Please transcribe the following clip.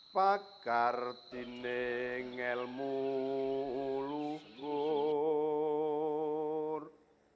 pakar tineng ilmu lukur